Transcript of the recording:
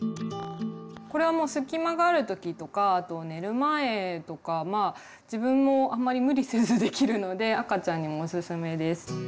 これはもう隙間がある時とかあと寝る前とか自分もあんまり無理せずできるので赤ちゃんにもおすすめです。